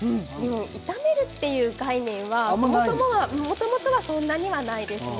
炒めるという概念はもともとはそんなにないですね。